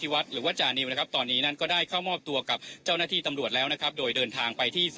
เพื่อให้แน่ใจเลยว่า